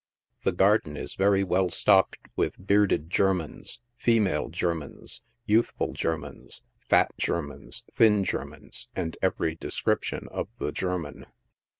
The garden is very well stocked with bearded Germans, female Germans, youthful Germans, fat Ger mans, thin Germans, and every description of the German.